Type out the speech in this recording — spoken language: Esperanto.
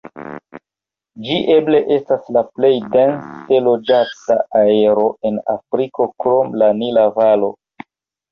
Ĝi eble estas la plej dense loĝata areo en Afriko krom la Nila Valo.